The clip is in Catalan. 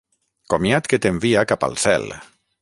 Comiat que t'envia cap al cel.